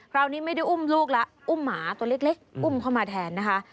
คราวนี้ไม่ได้อุ้มลูกแล้วอุ้มหมาตัวเล็กอุ้มเข้ามาแทนนะคะ